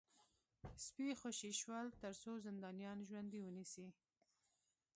سپي خوشي شول ترڅو زندانیان ژوندي ونیسي